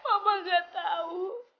mama gak tahu